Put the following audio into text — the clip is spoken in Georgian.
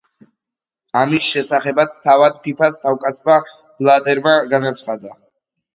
ამის შესახებაც თავად ფიფას თავკაცმა ბლატერმა განაცხადა.